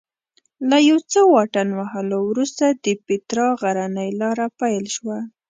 له یو څه واټن وهلو وروسته د پیترا غرنۍ لاره پیل شوه.